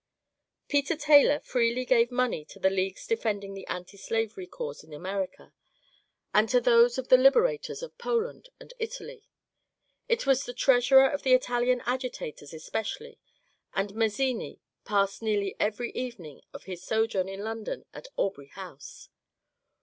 Peter Taylor freely gave money to the leagues defending the antislavery cause in America, and to those of the ^^ libera tors of Poland and Italy. He was the treasurer of the Italian agitators especially, and Mazzini passed nearly every evening of his sojourn in London at Aubrey House.